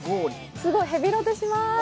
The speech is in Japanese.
すごいヘビロテします。